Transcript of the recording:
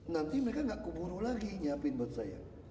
nanti mereka nggak keburu lagi nyiapin buat saya